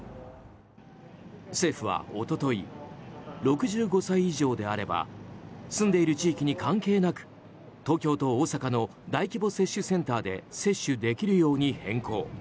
政府は一昨日６５歳以上であれば住んでいる地域に関係なく東京と大阪の大規模接種センターで接種できるように変更。